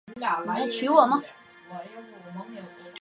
普雷翁路是瑞士联邦西部法语区的沃州下设的一个镇。